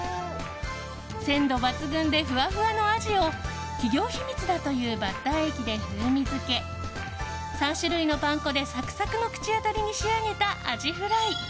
鮮度抜群でふわふわのアジを企業秘密だというバッター液で風味付け３種類のパン粉でサクサクの口当たりに仕上げたアジフライ。